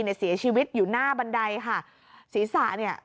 เสียชีวิตอยู่หน้าบันไดค่ะศีรษะเนี่ย